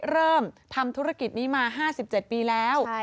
เริ่มทำธุรกิจนี้มา๕๗ปีแล้ว